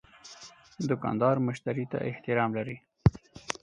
دوکاندار مشتری ته احترام لري.